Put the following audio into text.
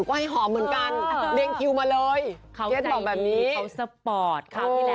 ใครก็ได้ฮอม